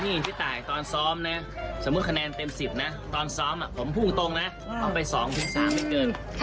นี่พี่ตายตอนซ้อมนะสมมุติคะแนนเต็ม๑๐นะตอนซ้อมผมพูดตรงนะเอาไป๒๓ไม่เกิน